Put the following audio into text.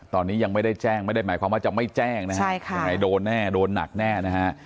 ตอนนี้ยังไม่ได้แจ้งไม่ได้หมายความว่าจะไม่แจ้งนะฮะยังไงโดนแน่โดนหนักแน่นะฮะ